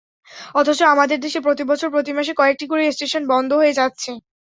অথচ আমাদের দেশে প্রতিবছর প্রতি মাসে কয়েকটি করে স্টেশন বন্ধ হয়ে যাচ্ছে।